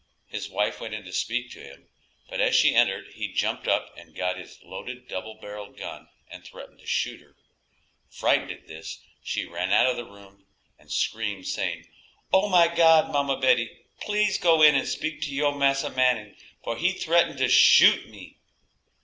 His wife went in to speak to him, but as she entered he jumped up and got his loaded double barrelled gun and threatened to shoot her. Frightened at this, she ran out of the room and screamed saying, "Oh my God, mamma Betty, please go in and speak to your Massa Manning, for he threatened to shoot me."